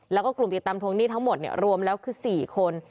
แล้วก็กลุ่มติดตามทวงหนี้ทั้งหมดรวมแล้วคือ๔คน